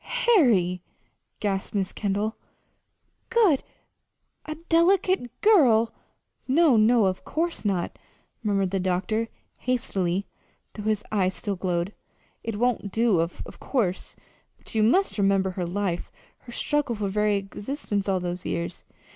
"Harry!" gasped Mrs. Kendall. "'Good' a delicate girl!" "No, no, of course not," murmured the doctor, hastily, though his eyes still glowed. "It won't do, of course; but you must remember her life, her struggle for very existence all those years.